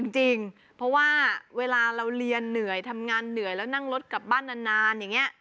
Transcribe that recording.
จริงเพราะว่าเวลาเราเรียนเหนื่อยทำงานเหนื่อยแล้วนั่งรถกลับบ้านนานอย่างนี้